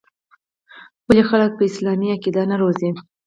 ولـې خـلـک پـه اسـلامـي عـقـيده نـه روزي.